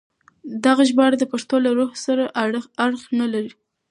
دغه ژباړه د پښتو له روح سره اړخ نه لګوي.